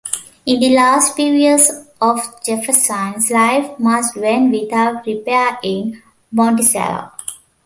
In the last few years of Jefferson's life, much went without repair in Monticello.